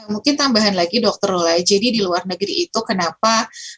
mungkin tambahan lagi dokter lula jadi di luar negeri itu kenapa